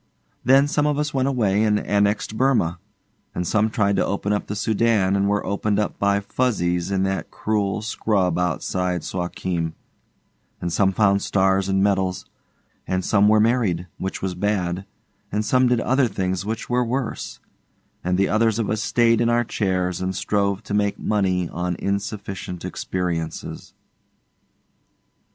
Then some of us went away and annexed Burma, and some tried to open up the Soudan and were opened up by Fuzzies in that cruel scrub outside Suakim, and some found stars and medals, and some were married, which was bad, and some did other things which were worse, and the others of us stayed in our chains and strove to make money on insufficient experiences.